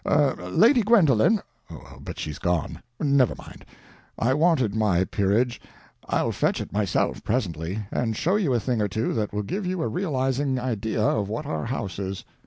Er—Lady Gwendolen—but she's gone; never mind; I wanted my Peerage; I'll fetch it myself, presently, and show you a thing or two that will give you a realizing idea of what our house is.